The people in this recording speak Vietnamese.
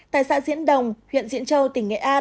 tại xã diễn đồng huyện diễn châu tỉnh nghệ an